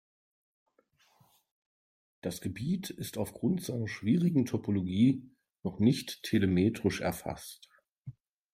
Das Gebiet ist aufgrund seiner schwierigen Topologie noch nicht telemetrisch erfasst.